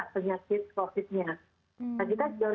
karena kita sudah melakukan penyakit yang lebih besar